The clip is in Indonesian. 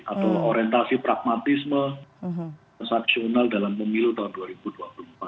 atau orientasi pragmatisme saksional dalam pemilu tahun dua ribu dua puluh empat